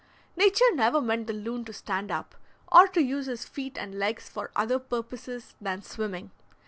Nature never meant the loon to stand up, or to use his feet and legs for other purposes than swimming.